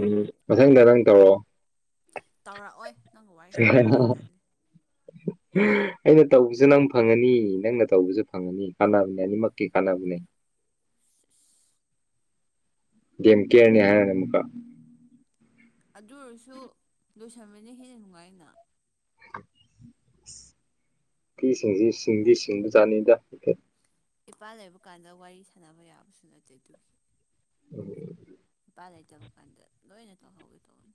ꯎꯝ ꯃꯊꯪꯗ ꯅꯪ ꯇꯧꯔꯛꯑꯣ ꯇꯧꯔꯛꯑꯣꯏ ꯅꯪꯒ ꯋꯥꯔꯤ ꯁꯥꯟꯅꯔꯣꯏ ꯇꯜꯂꯤ [inaudible] ꯑꯩꯅ ꯇꯧꯕꯁꯨ ꯅꯪ ꯐꯪꯉꯅꯤ ꯅꯪꯅ ꯇꯧꯕꯁꯨ ꯐꯪꯉꯅꯤ ꯀꯥꯟꯅꯕꯅꯦ ꯑꯅꯤꯃꯛꯀꯤ ꯀꯥꯟꯅꯕꯅꯦ ꯗꯦꯝꯀꯤꯌꯥꯔꯅꯤ ꯍꯥꯏꯔꯅꯤ ꯑꯃꯨꯛꯀ ꯑꯗꯨ ꯑꯣꯏꯔꯁꯨ ꯂꯣꯏꯁꯟꯕꯅ ꯍꯦꯟꯅ ꯅꯨꯡꯉꯥꯏꯅ [unintelligible] ꯏꯄꯥ ꯂꯩꯕ ꯀꯥꯟꯗ ꯋꯥꯔꯤ ꯁꯥꯟꯅꯕ ꯌꯥꯕꯁꯨ ꯅꯠꯇꯦ ꯑꯗꯨꯒꯤ ꯎꯝ ꯏꯄꯥ ꯂꯩꯇꯕ ꯀꯥꯟꯗ ꯂꯣꯏꯅ ꯇꯧꯍꯧꯒꯦ ꯇꯧꯅꯤ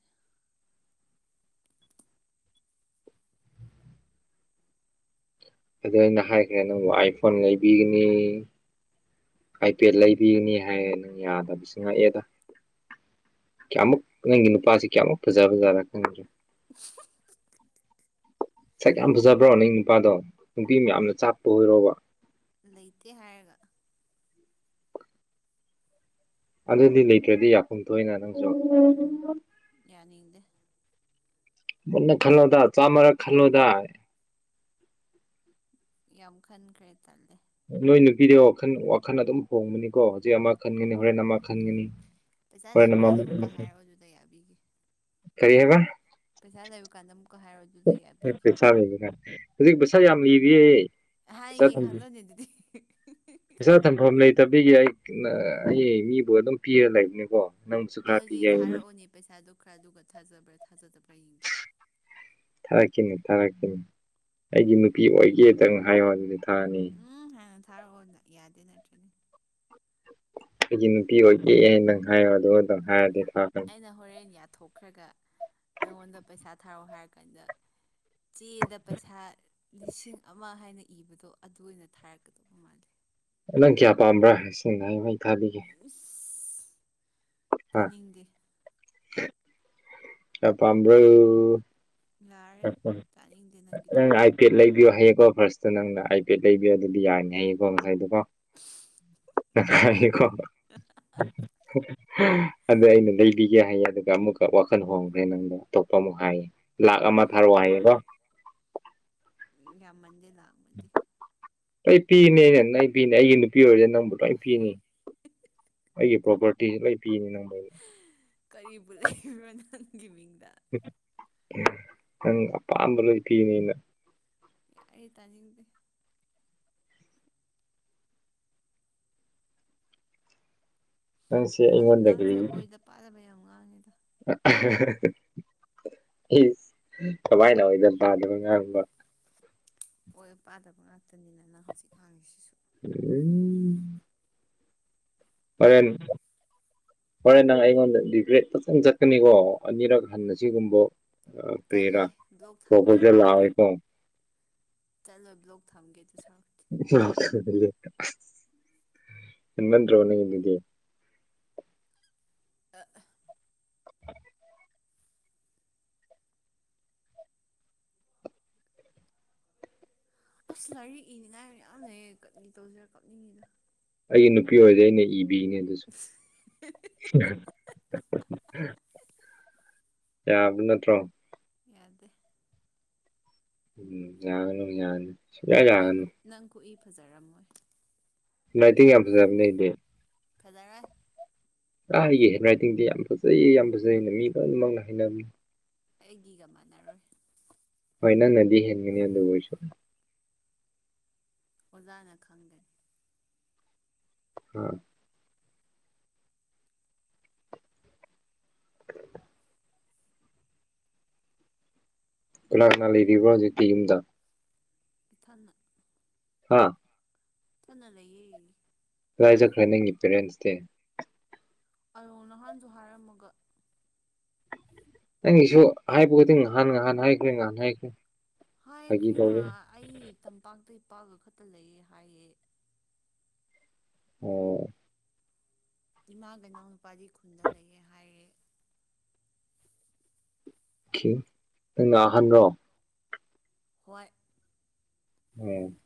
ꯑꯗꯨ ꯑꯩꯅ ꯍꯥꯏꯈ꯭ꯔꯦ ꯅꯪꯕꯨ ꯑꯥꯏꯐꯣꯟ ꯂꯩꯕꯤꯒꯅꯤ ꯑꯥꯏꯄꯦꯠ ꯂꯩꯕꯤꯒꯅꯤ ꯍꯥꯏꯌꯦꯅ ꯌꯥꯗꯕꯁꯦ ꯉꯛꯑꯦꯗ ꯀꯌꯥꯃꯨꯛ ꯅꯪꯒꯤ ꯅꯨꯄꯥꯁꯤ ꯀꯌꯥꯃꯨꯛ ꯐꯖꯕꯖꯥꯠꯂ ꯈꯪꯗꯦꯗ ꯎꯝ ꯁꯛ ꯌꯥꯝ ꯐꯖꯕ꯭ꯔꯣ ꯅꯪ ꯅꯨꯄꯥꯗꯣ ꯅꯨꯄꯤ ꯃꯌꯥꯝꯅ ꯆꯥꯛꯄ ꯑꯣꯏꯔꯣꯕ ꯂꯩꯇꯦ ꯍꯥꯏꯔꯒ ꯑꯗꯨꯗꯤ ꯂꯩꯇ꯭ꯔꯗꯤ ꯌꯥꯐꯝ ꯊꯣꯛꯏꯅ ꯅꯪꯁꯨ ꯌꯥꯅꯤꯡꯗꯦ ꯃꯨꯟꯅ ꯈꯜꯂꯨꯗ ꯆꯥꯝꯃꯔꯛ ꯈꯜꯂꯨꯗ ꯌꯥꯝ ꯈꯟꯈ꯭ꯔꯦ ꯇꯜꯂꯦ ꯅꯣꯏ ꯅꯨꯄꯤꯗꯤ ꯋꯥꯈꯜ ꯋꯥꯈꯜ ꯑꯗꯨꯝ ꯍꯣꯡꯕꯅꯤꯀꯣ ꯍꯧꯖꯤꯛ ꯑꯃ ꯈꯟꯒꯅꯤ ꯍꯣꯔꯦꯟ ꯑꯃ ꯈꯟꯒꯅꯤ ꯄꯩꯁꯥ ꯍꯣꯔꯦꯟ ꯂꯩꯕ ꯑꯃ ꯀꯥꯟꯗ ꯑꯃꯨꯛꯀ ꯍꯥꯏꯔꯛꯑꯣ ꯗꯨꯗ ꯌꯥꯕꯤꯒꯦ ꯀꯔꯤ ꯍꯥꯏꯕ ꯄꯩꯁꯥ ꯂꯩꯔ ꯀꯥꯟꯗ ꯑꯃꯨꯛꯀ ꯍꯥꯏꯔꯛꯑꯣ ꯑꯗꯨꯗ ꯌꯥꯕꯤꯒꯦ ꯍꯧꯖꯤꯛ ꯄꯩꯁꯥ ꯌꯥꯝ ꯂꯩꯔꯤ ꯑꯩ ꯍꯥꯏꯒꯦ ꯈꯜꯂꯣꯅꯦ ꯑꯗꯨꯗꯤ ꯄꯩꯁꯥ ꯊꯝꯐꯝ ꯂꯩꯇꯕꯤꯒꯤ ꯑꯩ ꯑꯩ ꯃꯤꯕꯨ ꯑꯗꯨꯝ ꯄꯤꯔ ꯂꯩꯕꯅꯤꯀꯣ ꯅꯪꯕꯨꯁꯨ ꯈꯔ ꯑꯗꯨꯗꯤ ꯄꯤꯒꯦ ꯍꯥꯏꯅ ꯊꯥꯔꯛꯑꯣꯅꯦ ꯄꯩꯁꯥꯗꯨ ꯈꯔꯗꯨ ꯊꯥꯖꯕ꯭ꯔꯥ ꯊꯥꯖꯗꯕ꯭ꯔꯥ ꯌꯦꯡꯒꯦ ꯊꯥꯔꯛꯀꯦꯅꯦ ꯊꯥꯔꯛꯀꯦꯅꯦ ꯑꯩꯒꯤ ꯅꯨꯄꯤ ꯑꯣꯏꯒꯦꯗꯪ ꯍꯥꯏꯌꯣ ꯍꯥꯏꯕꯅꯤꯗ ꯎꯝ ꯍꯥꯟꯅ ꯊꯥꯔꯛꯑꯣ ꯌꯥꯗꯦ ꯅꯠꯇ꯭ꯔꯅꯦ ꯑꯩꯒꯤ ꯅꯨꯄꯤ ꯑꯣꯏꯒꯦꯅ ꯅꯪ ꯍꯥꯏꯌꯣ ꯑꯗꯨꯒ ꯑꯗꯨꯗꯪ ꯍꯥꯏꯔꯗꯤ ꯊꯥꯈ꯭ꯔꯅꯤ ꯑꯩꯅ ꯍꯣꯔꯦꯟ ꯌꯥꯊꯣꯛꯈ꯭ꯔꯒ ꯅꯉꯣꯟꯗ ꯄꯩꯁꯥ ꯊꯥꯔꯣ ꯍꯥꯏꯔꯀꯥꯟꯗ ꯆꯦꯗ ꯄꯩꯁꯥ ꯂꯤꯁꯤꯡ ꯑꯃ ꯍꯥꯏꯅ ꯏꯕꯗꯣ ꯑꯗꯨ ꯑꯣꯏꯅ ꯊꯥꯔꯛꯀꯗꯧꯕ ꯃꯥꯜꯂꯦ ꯅꯪ ꯀꯌꯥ ꯄꯥꯝꯕ꯭ꯔꯥ ꯁ‌ꯦꯡꯅ ꯍꯥꯏꯌꯨ ꯑꯩ ꯊꯥꯕꯤꯒꯦ ꯏꯁ ꯍꯥ ꯇꯥꯅꯤꯡꯗꯦ ꯀꯌꯥ ꯄꯥꯝꯕ꯭ꯔ‌ꯣ ꯌꯥꯔꯦ ꯇꯥꯅꯤꯡꯗꯦ ꯅꯪꯒꯤꯗꯣ [unintelligible] ꯑꯥꯏꯄꯦꯠ ꯂꯩꯕꯤꯌꯣ ꯍꯥꯏꯌꯦꯀꯣ ꯐꯥꯔꯁꯇ ꯅꯪꯅ ꯑꯥꯏ ꯄꯦꯠ ꯂꯩꯕꯤꯌꯣ ꯑꯗꯨꯗꯤ ꯌꯥꯔꯅꯤ ꯍꯥꯏꯌꯦꯀꯣ ꯉꯁꯥꯏꯗꯣꯀꯣ ꯍꯥꯏꯀꯣ ꯑꯗꯨ ꯑꯩꯅ ꯂꯩꯕꯤ ꯌꯥꯏꯌꯦ ꯑꯗꯨꯒ ꯑꯃꯨꯛꯀ ꯋꯥꯈꯜ ꯍꯣꯡꯈ꯭ꯔꯦ ꯅꯪꯗ ꯑꯇꯣꯞꯄ ꯑꯃꯨꯛ ꯍꯥꯏꯌꯦ ꯂꯥꯛ ꯑꯃ ꯎꯝ ꯊꯥꯔꯛꯑꯣ ꯍꯥꯏꯌꯦꯀꯣ ꯌꯥꯝꯃꯟꯗꯦ ꯂꯥꯛ ꯑꯃꯗꯤ ꯂꯣꯏ ꯄꯤꯅꯤꯅꯦ ꯅꯪ ꯑꯩ ꯄꯤꯅꯦ ꯑꯩꯒꯤ ꯅꯨꯄꯤ ꯑꯣꯏꯔꯗꯤ ꯅꯪꯕꯨ ꯂꯣꯏ ꯄꯤꯅꯤ ꯑꯩꯒꯤ ꯄ꯭ꯔꯣꯄꯔꯇꯤꯁꯦ ꯂꯣꯏ ꯄꯤꯅꯤ ꯅꯪꯉꯣꯟꯗ ꯀꯔꯤꯕꯨ ꯂꯩꯕꯔ꯭ ꯅꯪꯒꯤ ꯃꯤꯡꯗ ꯅꯪ ꯑꯄꯥꯝꯕ ꯂꯣꯏ ꯄꯤꯅꯤꯅ ꯌꯥꯏꯌꯦ ꯇꯥꯅꯤꯡꯗꯦ ꯅꯪꯁꯦ ꯅꯪ ꯑꯩꯉꯣꯟꯗ ꯅꯪꯁꯦ ꯀꯔꯤ ꯑꯣꯏꯗ ꯄꯥꯗꯕ ꯌꯥꯝ ꯉꯥꯡꯉꯦꯗ ꯏꯁ ꯀꯃꯥꯏꯅ ꯑꯣꯏꯗ ꯄꯥꯗꯕ ꯉꯥꯡꯕ ꯑꯣꯏ ꯄꯥꯗꯕ ꯉꯥꯛꯇꯅꯤꯅ ꯅꯪ ꯍꯧꯖꯤꯛ ꯍꯥꯡꯉꯤꯁꯤꯁꯨ [unintelligible] ꯐꯔꯦꯟ ꯍ‌ꯣꯔꯦꯟ ꯅꯪ ꯑꯩꯉꯣꯟꯗ ꯔꯤꯒ꯭ꯔꯦꯗ ꯐꯖꯟ ꯆꯠꯀꯅꯤꯀꯣ ꯑꯅꯤꯔꯛ ꯍꯟꯅ ꯁꯤꯒꯨꯝꯕ ꯑ ꯄꯤꯔꯥ ꯆꯠꯂꯣꯏ ꯕ꯭ꯂꯣꯛ ꯊꯝꯒꯦ ꯄ꯭ꯔꯄ‌ꯣꯖ‌ꯦꯜ ꯂꯥꯛꯑꯣꯏꯀ‌ꯣ ꯆꯠꯂꯣ ꯕ꯭ꯂꯣꯛ ꯊꯝꯒꯦ ꯑꯗꯨ ꯁꯥꯎ ꯍ‌ꯦꯟ ꯃꯟꯗ꯭ꯔꯣ ꯅꯪꯒꯤꯗꯨꯗꯤ ꯑ ꯑꯁ ꯂꯥꯏꯔꯤꯛ ꯏꯅꯤꯅꯥꯏ ꯃꯌꯥꯝ ꯂꯩꯌꯦ ꯀꯔꯤ ꯇꯧꯁꯤꯔꯥ ꯀꯞꯅꯤꯡꯉꯤꯗ ꯑꯩꯒꯤ ꯅꯨꯄꯤ ꯑꯣꯏꯗꯤ ꯑꯩꯅ ꯏꯕꯤꯅꯦ ꯑꯗꯨꯁꯨ ꯌꯥꯕ ꯅꯠꯇ꯭ꯔꯣ ꯌꯥꯗꯦ ꯎꯝ ꯌꯥꯒꯅꯨ ꯌꯥꯅꯤ ꯅꯪ ꯅꯪ ꯈꯨꯠꯏ ꯐꯖꯔꯝꯃꯣꯏ ꯍꯦꯟꯔꯥꯏꯇꯤꯡ ꯌꯥꯝ ꯐꯖꯕꯅꯦ ꯑꯩꯗꯤ ꯐꯖꯔꯦ ꯑ ꯑꯩꯒꯤ ꯍꯦꯟꯔꯥꯏꯇꯤꯡꯗꯤ ꯌꯥꯝ ꯐꯖꯩꯌꯦ ꯌꯥꯝ ꯐꯖꯩꯅ ꯃꯤ ꯂꯣꯏꯅꯃꯛꯅ ꯍꯥꯏꯅꯕꯅꯤ ꯑꯩꯒꯤꯒ ꯃꯥꯟꯅꯔꯣꯏ ꯍꯣꯏ ꯅꯪꯅꯗꯤ ꯍꯦꯟꯒꯅꯤ ꯑꯗꯨ ꯑꯣꯏꯔꯁꯨ ꯑꯣꯖꯥꯅ ꯈꯪꯒꯅꯤ ꯍꯥ [unintelligible] ꯀꯅꯥ ꯀꯅꯥ ꯂꯩꯔꯤꯕ꯭ꯔ ꯍꯧꯖꯤꯛꯇꯤ ꯌꯨꯝꯗ ꯏꯊꯟꯅ ꯍꯥꯥ ꯏꯊꯅ ꯂꯩꯌꯦ ꯀꯥꯏ ꯆꯠꯈ꯭ꯔꯦ ꯅꯪꯒꯤ ꯄꯦꯔꯦꯟꯁꯇꯤ ꯑꯔꯣ ꯅꯍꯥꯟꯁꯨ ꯍꯥꯏꯔꯝꯃꯒ ꯅꯪꯒꯤꯁꯨ ꯍꯥꯏꯕ ꯈꯨꯗꯤꯡ ꯉꯍꯥꯟ ꯉꯍꯥꯟ ꯍꯥꯏꯈ꯭ꯔꯦ ꯉꯍꯥꯟ ꯍꯥꯏꯈ꯭ꯔꯦ ꯐꯥꯒꯤ ꯍꯥꯏꯈꯤꯅ ꯇꯧꯕꯅꯤ ꯑꯩ ꯇꯝꯄꯥꯛꯇ ꯏꯄꯥꯒ ꯈꯛꯇ ꯂꯩꯌꯦ ꯍꯥꯏꯌꯦ ꯑꯣ ꯏꯃꯥꯒ ꯏꯅꯥꯎꯅꯨꯨꯄꯥꯗꯤ ꯈꯨꯟꯗ ꯂꯩꯌꯦ ꯍꯥꯏꯔꯦ ꯈꯦ ꯅꯪꯅ ꯑꯍꯥꯟ ꯔꯣ ꯍꯣꯏ ꯎꯝ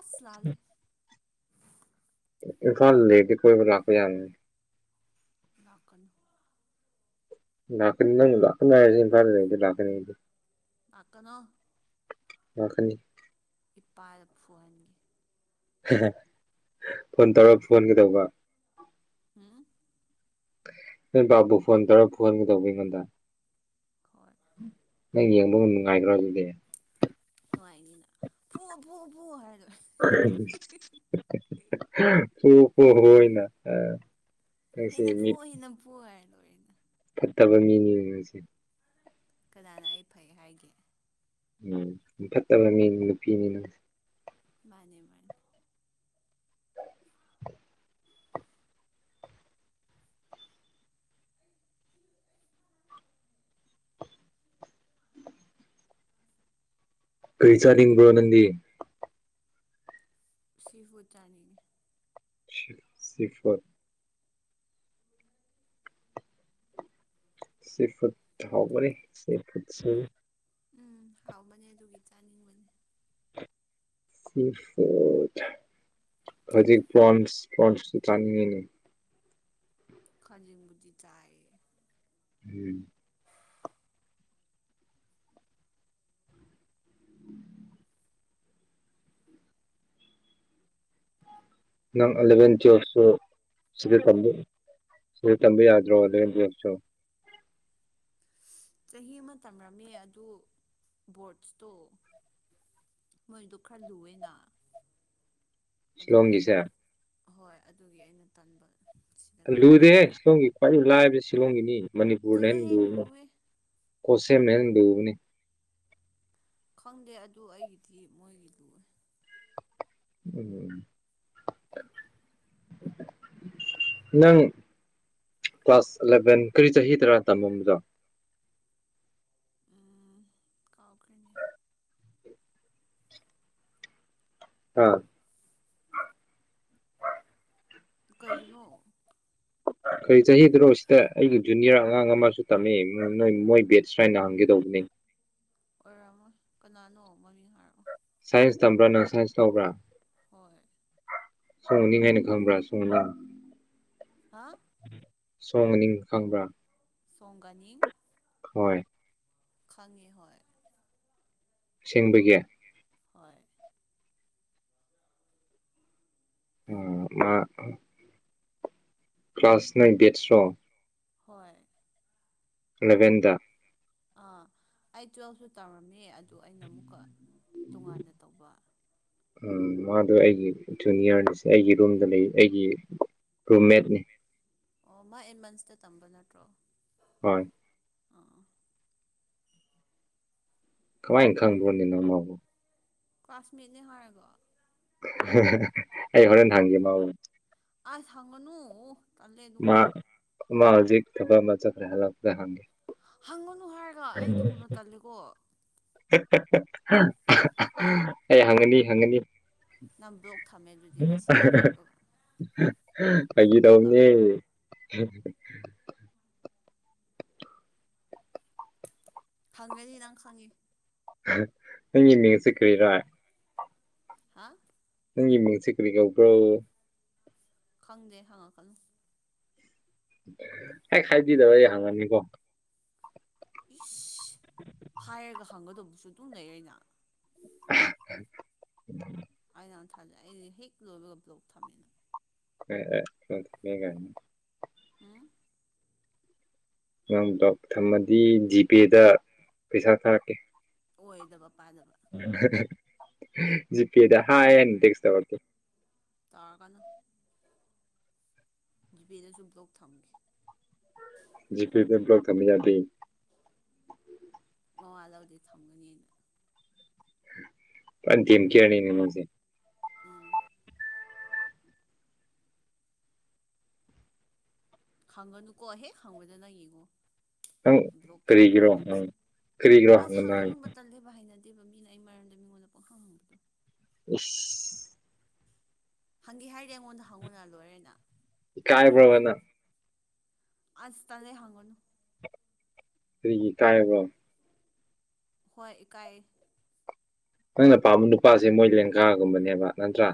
ꯑꯁ ꯂꯥꯂꯦ ꯏꯝꯐꯥꯜ ꯂꯩꯔꯗꯤ ꯀꯣꯏꯕ ꯂꯥꯛꯄ ꯌꯥꯔꯅꯤ ꯂꯥꯛꯀꯅꯨ ꯂꯥꯛꯀꯅꯤ ꯅꯪꯅ ꯂꯥꯛꯀꯅꯨ ꯍꯥꯏꯔꯁꯨ ꯏꯝꯐꯥꯜ ꯂꯩꯔꯗꯤ ꯂꯥꯛꯀꯅꯤ ꯑꯩꯗꯤ ꯂꯥꯛꯀꯅꯣ ꯂꯥꯛꯀꯅꯤ ꯏꯄꯥꯗ ꯐꯨꯍꯟꯒꯦ ꯍꯥꯍꯥ ꯐꯣꯟ ꯇꯧꯔ ꯐꯨꯍꯟꯒꯗꯧꯕ ꯍꯥ ꯅꯣꯏ ꯕꯥꯕꯨ ꯐꯣꯟ ꯇꯧꯔ ꯐꯨꯍꯟꯒ‌ꯦ ꯗꯧꯕ ꯑꯩꯉꯣꯟꯗ ꯍꯣꯏ ꯅꯪ ꯌꯦꯡꯕ ꯅꯨꯡꯉꯥꯏꯒꯔꯣ ꯑꯗꯨꯗꯤ ꯅꯨꯡꯉꯥꯏꯅꯤꯅ ꯐꯨ ꯐꯨ ꯐꯨ ꯍꯥꯏꯔ ꯂꯣꯏꯔꯦ [unintelligible] ꯍꯦꯟꯅ ꯃꯤ ꯐꯨꯑꯣ ꯍꯦꯟꯅ ꯐꯨꯑꯣ ꯍꯥꯏꯔ ꯂꯣꯏꯔꯦꯅ ꯐꯠꯇꯕ ꯃꯤꯅꯤꯅꯦ ꯅꯪꯁꯦ ꯀꯅꯥꯅ ꯑꯩ ꯐꯩ ꯍꯥꯏꯒꯦ ꯎꯝ ꯃꯤꯐꯠꯇꯕ ꯃꯤꯅꯤ ꯅꯨꯄꯤꯅꯤ ꯅꯪ ꯃꯥꯅꯦ ꯃꯥꯅꯦ ꯀꯥꯔꯤ ꯆꯥꯅꯤꯡꯕ꯭ꯔꯣ ꯅꯪꯗꯤ ꯁꯤꯐꯨꯠ ꯆꯥꯅꯤꯡꯉꯦ ꯁꯤ ꯁꯤꯐꯨꯠ ꯁꯤꯐꯨꯠ ꯍꯥꯎꯕꯅꯦ ꯁꯤꯐꯨꯠ ꯁꯦ ꯎꯝ ꯍꯥꯎꯕꯅꯦ ꯑꯗꯨꯒꯤ ꯆꯥꯅꯤꯡꯕꯅꯦ ꯁꯤꯐꯨꯠ ꯍꯧꯖꯤꯛ ꯄ꯭ꯔꯣꯟꯁ ꯄ꯭ꯔꯣꯟꯁꯁꯨ ꯆꯥꯅꯤꯡꯉꯤꯅꯦ ꯈꯖꯤꯡꯕꯨꯗꯤ ꯆꯥꯏꯌꯦ ꯎꯝ [unintelligible] ꯅꯪ ꯑꯂꯕꯦꯟ ꯇꯨꯌꯦꯜꯞꯁꯨ ꯁꯤꯗ ꯇꯝꯕ ꯁꯤꯗ ꯇꯝꯕ ꯌꯥꯗ꯭ꯔꯣ ꯑꯂꯥꯕꯦꯟ ꯇꯨꯌꯦꯜꯞꯂꯁꯨ ꯆꯍꯤ ꯑꯃ ꯇꯝꯔꯝꯃꯤ ꯑꯗꯨ ꯕꯣꯔꯠꯁꯇꯨ ꯃꯣꯏꯗꯨ ꯈꯔ ꯂꯨꯌꯦꯅ ꯑꯗꯨꯒꯤ ꯁꯤꯂꯣꯡꯒꯤꯁꯦ ꯍꯣꯏ ꯑꯗꯨꯒꯤ ꯑꯩꯅ ꯇꯥꯟꯕ ꯂꯨꯗꯦ ꯁꯤꯂꯣꯡꯒꯤ ꯈ꯭ꯋꯥꯏꯗꯒꯤ ꯂꯥꯏꯕ ꯁꯤꯂꯣꯡꯒꯤꯅꯤ ꯃꯅꯤꯄꯨꯔꯅ ꯍꯦꯟꯅ ꯆꯠꯂꯍꯦ ꯂꯨꯕꯅꯤ ꯂꯨꯋꯦ ꯀꯣꯁꯦꯝꯅ ꯍꯦꯟꯅ ꯂꯨꯕꯅꯤ ꯈꯪꯗꯦ ꯑꯗꯨ ꯑꯩꯒꯤꯗꯤ ꯃꯣꯏꯒꯤ ꯂꯨꯌꯦ [unintelligible] ꯅꯪ ꯀ꯭ꯂꯥꯁ ꯑꯦꯂꯚꯦꯟ ꯀꯔꯤ ꯆꯍꯤ ꯗꯔꯥ ꯇꯝꯃꯝꯕꯗꯣ ꯎꯝ ꯀꯥꯎꯈ꯭ꯔꯦꯅꯦ ꯍꯥ ꯀꯩꯒꯤꯅꯣ ꯀꯔꯤ ꯆꯍꯤꯗꯨꯔꯣ ꯁꯤꯗ ꯑꯩꯒꯤ ꯖꯨꯅꯤꯌꯔ ꯑꯉꯥꯡ ꯑꯃꯁꯨ ꯇꯝꯃꯦ ꯅꯣꯏ ꯃꯣꯏ ꯕꯦꯠꯁꯂꯥꯅ ꯍꯪꯒꯦ ꯇꯧꯕꯅꯦ ꯑꯣꯏꯔꯝꯃꯣꯏ ꯀꯅꯥꯅꯣ ꯃꯃꯤꯡ ꯍꯥꯏꯔꯛꯑꯣ ꯁꯥꯏꯟꯁ ꯇꯝꯕ꯭ꯔꯥ ꯅꯪ ꯁꯥꯏꯟꯁ ꯂꯧꯕ꯭ꯔꯥ ꯍꯣꯏ ꯁꯣꯅꯤ ꯉꯅꯤꯒꯝꯕꯔꯥ ꯁꯣꯅꯤ [inaudible] ꯍꯥꯥ ꯁꯣꯡꯃꯅꯤꯡ ꯈꯪꯕ꯭ꯔꯥ ꯁꯣꯡꯒꯥꯅꯤ ꯍꯣꯏ ꯈꯪꯉꯤ ꯍꯣꯏ ꯑꯁꯦꯡꯕꯒꯤ ꯍꯣꯏ ꯎꯝ ꯃꯥ ꯀ꯭ꯂꯥꯁ ꯅꯥꯢꯟ ꯕꯦꯠꯁꯔꯣ ꯍꯣꯏ ꯑꯦꯂꯕꯦꯟꯗ ꯑꯥ ꯑꯩ ꯇꯨꯋꯦꯜꯞꯁꯨ ꯇꯝꯔꯝꯃꯤ ꯑꯗꯨ ꯑꯩꯅ ꯑꯃꯨꯛꯀ ꯇꯣꯉꯥꯟꯅ ꯇꯧꯕ ꯎꯝ ꯃꯥꯗꯣ ꯑꯩꯒꯤ ꯖꯨꯅꯤꯌꯔꯅꯦ ꯑꯩꯒꯤ ꯔꯨꯝꯗ ꯂꯩꯌꯦ ꯑꯩꯒꯤ ꯔꯨꯝꯃꯦꯠꯅꯤ ꯑꯣ ꯃꯥ ꯑꯦꯠ ꯃꯟꯁꯇ ꯇꯝꯕ ꯅꯠꯇ꯭ꯔꯣ ꯍꯣꯏ ꯑꯥ ꯀꯃꯥꯏꯅ ꯈꯪꯕ꯭ꯔꯅꯦ ꯅꯪ ꯃꯥꯕꯨ ꯀ꯭ꯂꯥꯁꯃꯦꯠꯅꯦ ꯍꯥꯏꯔꯒ ꯑꯩ ꯍꯣꯔꯦꯟ ꯍꯪꯒꯦ ꯃꯑꯣꯡꯗ ꯑꯥꯁ ꯍꯥꯡꯒꯅꯨ ꯃꯥ ꯃꯥ ꯍꯧꯖꯤꯛ ꯊꯕꯛ ꯑꯃ ꯆꯠꯂꯦ ꯍꯔꯥꯛꯑꯒ ꯍꯪꯒꯦ ꯍꯪꯉꯨꯅꯨ ꯍꯥꯏꯔꯒ ꯑꯩ ꯗꯨꯒꯨꯝꯕꯗꯣ ꯇꯜꯂꯤꯒꯣ ꯑꯩ ꯍꯪꯒꯅꯤ ꯍꯪꯒꯅꯤ ꯅꯪ ꯕ꯭ꯂꯣꯛ ꯊꯝꯃꯦ ꯑꯗꯨꯗꯤ ꯁꯤ ꯍꯦꯛ ꯂꯣꯏꯕꯒ ꯐꯒꯤ ꯁꯨꯡꯇꯧ ꯇꯧꯕꯅꯤ ꯇꯧꯔꯛꯀꯅꯨ ꯍꯝ [inaudible] ꯍꯪꯒꯅꯤ ꯅꯪ ꯈꯪꯉꯦ ꯅꯪꯒꯤ ꯃꯤꯡꯁꯦ ꯀꯔꯤꯔꯥ ꯍꯥꯥ ꯅꯪꯒꯤ ꯃꯤꯡꯁꯦ ꯀꯔꯤ ꯀꯥꯎꯕ꯭ꯔꯣ ꯈꯪꯗꯦ ꯍꯪꯉꯛꯀꯅꯨ ꯍꯦꯛ ꯍꯥꯢꯗꯕꯗ ꯑꯩ ꯍꯪꯒꯅꯤꯀꯣ ꯏꯁ ꯍꯥꯏꯔꯒ ꯍꯪꯒꯗꯧꯕꯁꯨ ꯑꯗꯨꯝ ꯂꯩꯔꯦꯅ [inaudible] ꯑꯩꯅ ꯊꯥꯖꯂꯦ ꯑꯩꯁ ꯍꯦꯛ ꯂꯣꯏꯕꯒ ꯕ꯭ꯂꯣꯛ ꯊꯝꯃꯦꯅ ꯀꯅꯤ [inaudible] ꯍꯥꯝ ꯅꯪ ꯕ꯭ꯔꯣꯛ ꯊꯝꯃꯗꯤ ꯖꯤꯄꯦꯗ ꯄꯩꯁꯥ ꯊꯥꯔꯛꯀꯦ ꯑꯣꯏꯗꯕ ꯄꯥꯗꯕ ꯖꯤꯄꯦꯗ ꯍꯥꯏꯅ ꯇꯦꯛꯁ ꯇꯧꯔꯛꯀꯦ ꯇꯧꯔꯛꯒꯅꯨ ꯖꯤꯄꯦꯗꯁꯨ ꯕ꯭ꯂꯣꯛ ꯊꯝꯒꯦ ꯖꯤ ꯄꯤ ꯄ꯭ꯔꯣꯛ ꯊꯝꯕ ꯌꯥꯗꯦ ꯃꯋꯥꯥ ꯂꯧꯗꯦ ꯊꯝꯒꯅꯤ ꯑꯩꯅ ꯗꯦꯝꯀꯌꯤꯔꯅꯤꯅꯦ ꯃꯣꯏꯗꯤ ꯎꯝ ꯍꯪꯒꯅꯨꯀꯣ ꯍꯦꯛ ꯍꯪꯕꯗ ꯅꯪ ꯌꯦꯡꯉꯣ ꯅꯪ ꯕ꯭ꯂꯣꯛ ꯊꯝꯒꯅꯤ ꯀꯔꯤꯒꯤꯔꯣ ꯅꯪ ꯍꯥꯏꯕꯁꯤ ꯀꯔꯤꯒꯤꯔꯣ ꯑꯁ ꯍꯪꯒꯅꯣ ꯍꯥꯏ ꯍꯪꯒꯅꯨꯕ ꯇꯜꯂꯦꯕ ꯍꯥꯏꯅꯗꯦꯕ ꯃꯤꯅ ꯑꯩ ꯃꯔꯝꯗ ꯃꯤꯉꯣꯟꯗ ꯄꯣꯡꯈꯥꯡ ꯍꯪꯕꯗꯣ ꯏꯁ ꯍꯪꯒꯦ ꯍꯥꯏꯔꯦ ꯑꯩꯉꯣꯟꯗ ꯍꯪꯉꯨꯅ ꯂꯣꯏꯔꯦꯅ ꯏꯀꯥꯏꯕ꯭ꯔꯕ ꯅꯪ ꯑꯁ ꯇꯥꯜꯂꯦ ꯍꯪꯒꯅꯨ ꯀꯔꯤꯒꯤ ꯢꯀꯥꯢꯕ꯭ꯔꯣ ꯍꯣꯏ ꯢꯀꯥꯏ ꯅꯪꯅ ꯄꯥꯝꯕ ꯅꯨꯄꯥꯁꯦ ꯃꯣꯏ ꯂꯦꯡꯒꯥꯥꯒꯨꯝꯕꯅꯦꯕ ꯅꯠꯇ꯭ꯔꯥ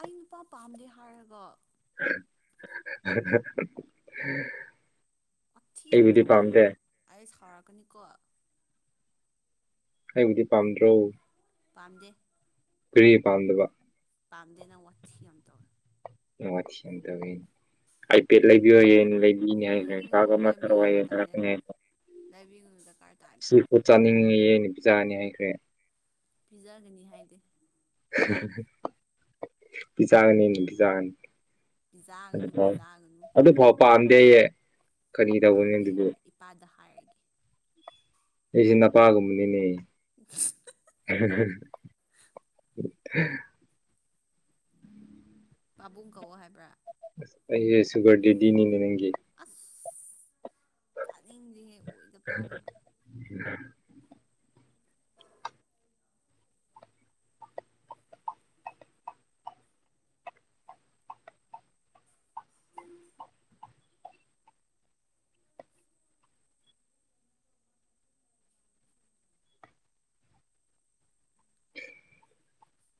ꯑꯩ ꯅꯨꯄꯥ ꯄꯥꯝꯗꯦ ꯍꯥꯏꯔꯒ [inaudible] ꯋꯊꯤ ꯌꯥꯝ ꯑꯩꯕꯨꯗꯤ ꯇꯧꯋꯤꯅ ꯄꯥꯝꯗꯦ ꯑꯩ ꯁꯥꯎꯔꯛꯀꯅꯤꯀꯣ ꯑꯩꯕꯨꯗꯤ ꯄꯥꯝꯗ꯭ꯔꯣ ꯄꯥꯝꯗꯦ ꯀꯔꯤ ꯄꯥꯝꯗꯕ ꯄꯥꯝꯗꯦ ꯅꯪ ꯋꯥꯠꯊꯤ ꯑꯃ ꯇꯧꯋꯦ ꯅꯪ ꯋꯥꯊꯤ ꯌꯥꯝ ꯇꯧꯌꯦ ꯑꯥꯏꯄꯦꯠ ꯂꯩꯕꯤꯌꯣꯌꯦ ꯂꯩꯕꯤꯅꯤ ꯍꯥꯏꯒ꯭ꯔꯦ ꯂꯥꯛ ꯎꯝ ꯑꯃ ꯊꯥꯔꯛꯑꯣ ꯍꯥꯏꯌꯦ ꯊꯥꯔꯛꯀꯅꯤ ꯍꯥꯏ ꯅꯕꯤꯌꯨ ꯗꯀ ꯁꯤ ꯐꯨꯠ ꯆꯥꯅꯤꯡꯉꯤꯌꯦ ꯑꯩꯅ ꯄꯤꯖꯥꯅꯤ ꯍꯥꯏꯈ꯭ꯔꯦ ꯄꯤꯖꯒꯅꯤ ꯍꯥꯏꯗꯦ [inaudible] ꯄꯤꯖꯥꯒꯅꯤꯗꯤ ꯄꯤꯖꯒꯅꯤ ꯑꯗꯨ ꯄꯤꯖꯥꯒꯅꯨ ꯐꯥꯎ ꯄꯤꯖꯥꯒꯅꯨ ꯑꯗꯨ ꯐꯥꯎ ꯄꯥꯝꯗꯦꯌꯦ ꯀꯔꯤ ꯇꯧꯕꯅꯦ ꯄꯥꯝꯗꯦ ꯑꯗꯨꯗꯤ ꯌꯥꯔꯦ ꯏꯄꯥꯗ ꯍꯥꯏꯔꯒꯦ ꯑꯩꯖꯦ ꯅꯄꯥꯒꯨꯝꯕꯅꯤꯅꯦ [inaudible] ꯍꯥꯍꯥꯍꯥ ꯑꯍ ꯄꯥꯕꯨꯡ ꯀꯧꯑꯣ ꯍꯥꯏꯕ꯭ꯔꯥ ꯑꯩꯖꯦ ꯁꯨꯨꯒꯔ ꯗꯦꯗꯤꯅꯤꯅꯦ ꯅꯪꯒꯤ ꯑꯁꯁ ꯇꯥꯅꯤꯡꯗꯦꯍꯦ ꯑꯣꯏꯗ ꯄꯥꯗꯕ [unintelligible]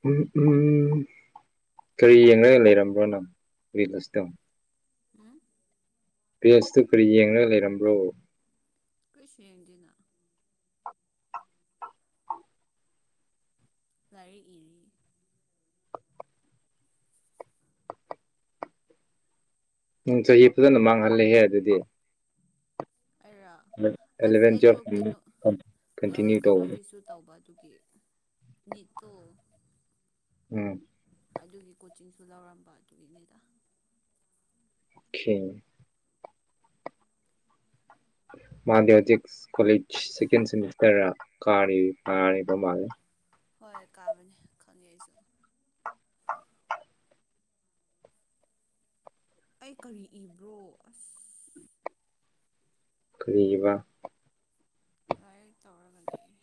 ꯎꯝ ꯎꯝ ꯀꯔꯤ ꯌꯦꯡꯂꯒ ꯂꯩꯔꯝꯕ꯭ꯔꯣ ꯅꯪ ꯔꯤꯜꯂꯇꯣ ꯎꯝ ꯄꯦꯁꯇꯨ ꯀꯔꯤ ꯌꯦꯡꯂꯒ ꯂꯩꯔꯝꯕ꯭ꯔꯣ ꯀꯔꯤꯁꯨ ꯌꯦꯡꯗꯦꯅ ꯂꯥꯢꯔꯤꯛ ꯏꯔꯤ ꯅꯪ ꯆꯍꯤ ꯐꯖꯅ ꯃꯥꯡꯍꯜꯂꯍꯦ ꯑꯗꯨꯗꯤ ꯑꯩꯔꯥ ꯑꯁ ꯑꯦꯂꯚꯦꯟ ꯑꯩꯗꯣ ꯀꯩꯅꯣ ꯇꯨꯋꯦꯜꯐ ꯑ ꯀꯟꯇꯤꯅ꯭ꯌꯨ ꯇꯧꯕꯅꯦ ꯀꯩꯅꯣꯒꯤꯁꯨ ꯇꯧꯕ ꯑꯗꯨꯒꯤ ꯅꯤꯠꯇꯣ ꯎꯝ ꯑꯗꯨꯒꯤ ꯀꯣꯆꯤꯡꯁꯨ ꯂꯧꯔꯝꯕ ꯑꯗꯨꯒꯤꯅꯤꯗ ꯈꯦ ꯃꯥꯗꯤ ꯍꯧꯖꯤꯛ ꯀꯣꯂꯦꯖ ꯁꯦꯀꯦꯟ ꯁꯦꯃꯤꯁꯇ꯭ꯔꯔ ꯀꯥꯔꯤ ꯀꯥꯔꯤꯕ ꯃꯥꯜꯂꯦ ꯍꯣꯏ ꯀꯥꯕꯅꯦ ꯈꯪꯉꯦ ꯑꯩꯁꯨ ꯑꯩ ꯀꯔꯤ ꯏꯕ꯭ꯔꯣ ꯑꯁ ꯀꯔꯤ ꯢꯕ ꯂꯥꯏꯔꯤꯛ ꯇꯧꯔꯒ ꯂꯩꯌꯦ